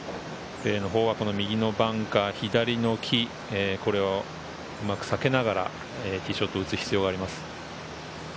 右のバンカー、左の木、これをうまく避けながらティーショットを打つ必要があります。